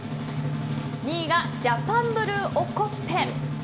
２位がジャパンブルーおこっぺ。